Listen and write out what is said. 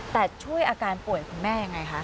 แต่ช่วยอาการป่วยคุณแม่ยังไงคะ